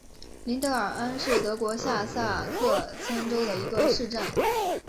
林德尔恩是德国下萨克森州的一个市镇。